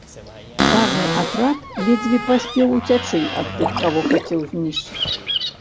Карны атрад ледзьве паспеў уцячы ад тых, каго хацеў знішчыць.